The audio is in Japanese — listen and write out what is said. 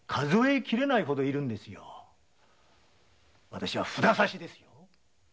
私は「札差し」ですよ。